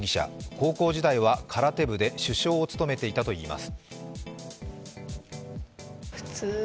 高校時代は空手部で主将を務めていたといいます。